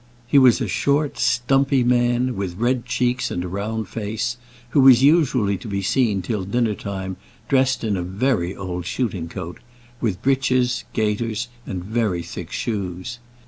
He was a short, stumpy man, with red cheeks and a round face; who was usually to be seen till dinner time dressed in a very old shooting coat, with breeches, gaiters, and very thick shoes.